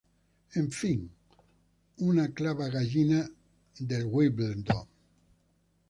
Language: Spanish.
En fin, un clava gallinas del Wimbledon.